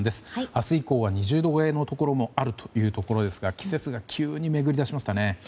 明日以降は２０度超えのところもあるようですが季節が急に巡り出しましたね。